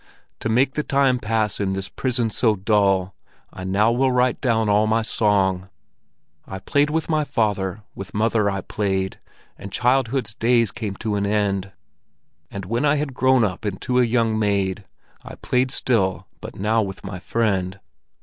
To make the time pass in this prison so dull, I now will write down all my song. I played with my father, with mother I played, And childhood's days came to an end; And when I had grown up into a young maid, I played still, but now with my friend.